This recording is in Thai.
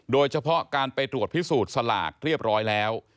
โดยเฉพาะการไปตรวจพิสูจน์สลากเรียบร้อยแล้ว